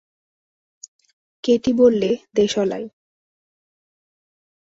Katie বললে, দেশালাই।